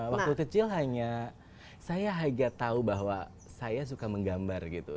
waktu kecil hanya saya hanya tahu bahwa saya suka menggambar gitu